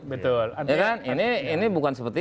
betul ini bukan seperti